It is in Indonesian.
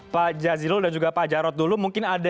pak jazilul dan juga pak jarod dulu mungkin ada